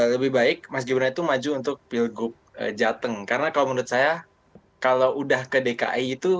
lebih baik mas gibran itu maju untuk pilgub jateng karena kalau menurut saya kalau udah ke dki itu